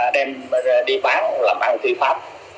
đem đi bán làm ăn thi pháp